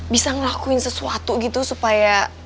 bisa ngelakuin sesuatu gitu supaya